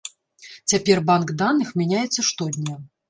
Цяпер банк даных мяняецца штодня.